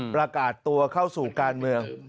ประกาศตัวเข้าสู่การเมือง